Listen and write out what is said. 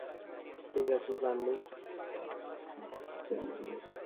ঠিক আছে, চান্ডু।